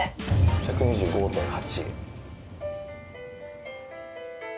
１２５．８。